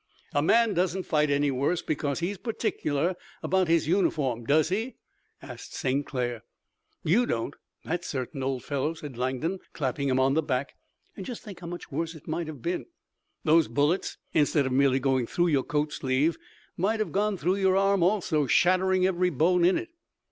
"A man doesn't fight any worse because he's particular about his uniform, does he?" asked St. Clair. "You don't. That's certain, old fellow," said Langdon, clapping him on the back. "And just think how much worse it might have been. Those bullets, instead of merely going through your coat sleeve, might have gone through your arm also, shattering every bone in it.